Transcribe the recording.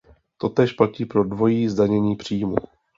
Totéž platí pro dvojí zdanění příjmů.